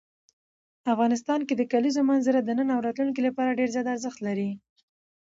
افغانستان کې د کلیزو منظره د نن او راتلونکي لپاره ډېر زیات ارزښت لري.